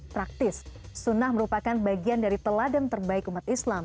praktis sunnah merupakan bagian dari teladan terbaik umat islam